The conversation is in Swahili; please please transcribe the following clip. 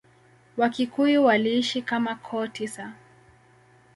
Wakikuyu waliishi kama koo tisa.